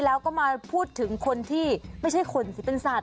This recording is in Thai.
แล้วก็มาพูดถึงคนที่ไม่ใช่คนสิเป็นศาสต